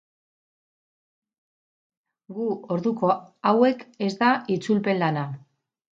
Gu orduko hauek ez da itzulpen lana.